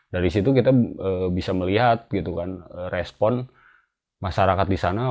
dari situ kita bisa melihat gitu kan respon masyarakat di sana